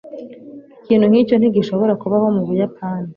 Ikintu nkicyo ntigishobora kubaho mubuyapani.